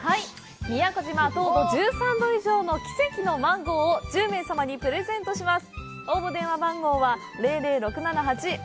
宮古島糖度１３度以上の奇跡のマンゴーを１０名様にプレゼントします。